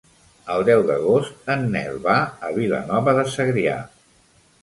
El deu d'agost en Nel va a Vilanova de Segrià.